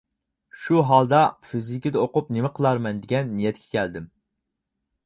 شۇ ھالدا فىزىكىدا ئوقۇپ نېمە قىلارمەن؟ دېگەن نىيەتكە كەلدىم.